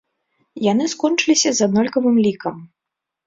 Яны скончыліся з аднолькавым лікам.